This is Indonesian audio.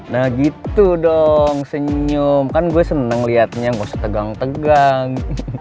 nah gitu dong senyum kan gue seneng liatnya gak usah tegang tegang